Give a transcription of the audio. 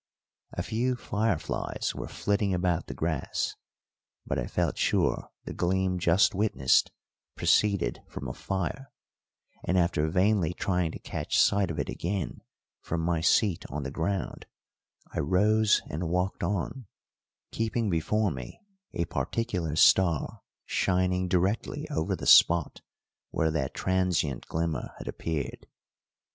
A few fireflies were flitting about the grass, but I felt sure the gleam just witnessed proceeded from a fire; and after vainly trying to catch sight of it again from my seat on the ground, I rose and walked on, keeping before me a particular star shining directly over the spot where that transient glimmer had appeared.